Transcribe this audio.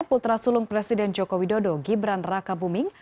putra sulung presiden joko widodo gibran raka buming